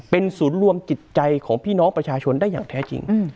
เป็นศูนย์รวมจิตใจของพี่น้องประชาชนได้อย่างแท้จริง